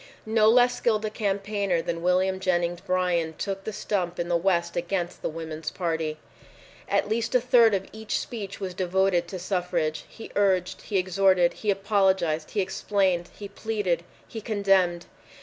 No less skilled a campaigner than William Jennings Bryan took the stump in the West against the Woman's Party. At least a third of each speech was devoted to suffrage. He urged. He exhorted. He apologized. He explained. He pleaded. He condemned.